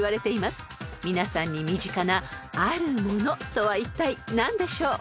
［皆さんに身近なあるものとはいったい何でしょう？］